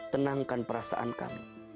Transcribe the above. tenangkan perasaan kami